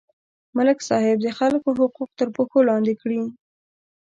ملک صاحب د خلکو حقوق تر پښو لاندې کړي.